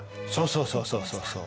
そうそうそうそう。